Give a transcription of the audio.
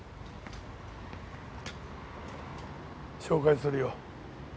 紹介するよ。